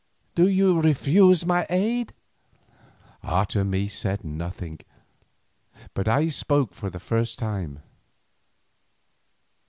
Do you refuse my aid?" Otomie said nothing, but I spoke for the first time.